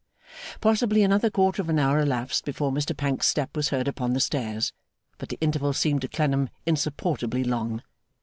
Possibly another quarter of an hour elapsed before Mr Pancks's step was heard upon the stairs, but the interval seemed to Clennam insupportably long.